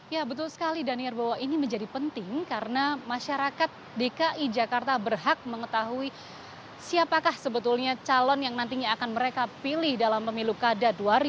ya betul sekali danir bahwa ini menjadi penting karena masyarakat dki jakarta berhak mengetahui siapakah sebetulnya calon yang nantinya akan mereka pilih dalam pemilu kada dua ribu dua puluh